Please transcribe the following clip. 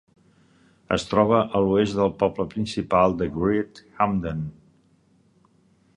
Es troba a l'oest del poble principal de Great Hampden.